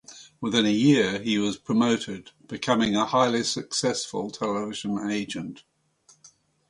Within a year he was promoted, becoming a highly successful television agent.